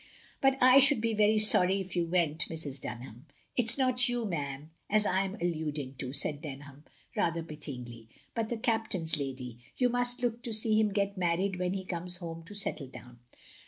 "" But I shotdd be very sorry if you went, Mrs. Dunham," " It 's not you, ma'am, as I 'm alluding to, " said Dunham, rather pitjdngly, "but the Cap tain's lady; you must look to see him get married when he comes home to settle down.